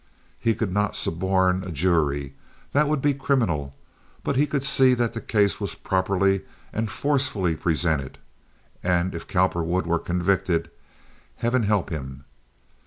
He could not suborn a jury, that would be criminal; but he could see that the case was properly and forcefully presented; and if Cowperwood were convicted, Heaven help him.